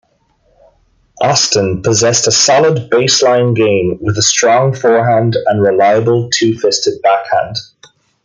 Austin possessed a solid baseline game with a strong forehand and reliable two-fisted backhand.